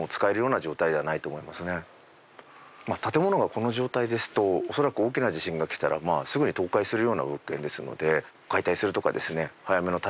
建物がこの状態ですと恐らく大きな地震がきたらすぐに倒壊するような物件ですので。